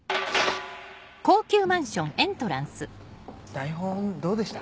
台本どうでした？